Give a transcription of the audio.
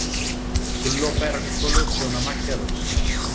Sull'opercolo c'è una macchia rossa.